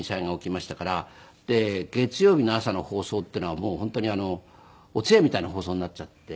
で月曜日の朝の放送っていうのはもう本当にあのお通夜みたいな放送になっちゃって。